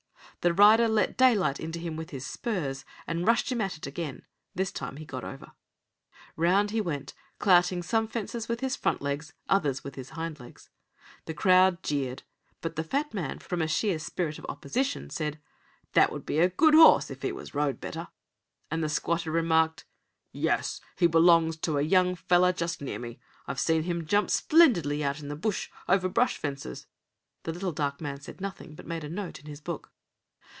The rider let daylight into him with his spurs, and rushed him at it again. This time he got over. Round he went, clouting some fences with his front legs, others with his hind legs. The crowd jeered, but the fat man, from a sheer spirit of opposition, said: "That would be a good horse if he was rode better." And the squatter remarked: "Yes, he belongs to a young feller just near me. I've seen him jump splendidly out in the bush, over brush fences." The little dark man said nothing, but made a note in his book.